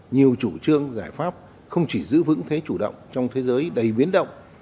nhiều chủ trương giải pháp không chỉ giữ vững thế chủ động trong thế giới đầy biến động